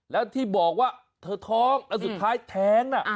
แล้วที่บอกว่าเธอท้องแล้วสุดท้ายแท้งน่ะ